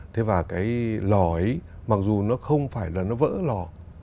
thế và cái lò ấy mặc dù nó không phải là nó vỡ lò